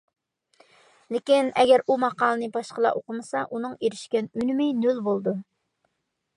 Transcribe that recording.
لېكىن، ئەگەر ئۇ ماقالىنى باشقىلار ئوقۇمىسا، ئۇنىڭ ئېرىشكەن ئۈنۈمى نۆل بولىدۇ.